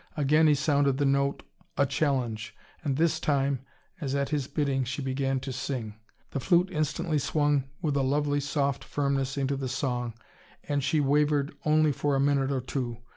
Again he sounded the note, a challenge. And this time, as at his bidding, she began to sing. The flute instantly swung with a lovely soft firmness into the song, and she wavered only for a minute or two.